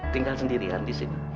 tinggal sendirian di sini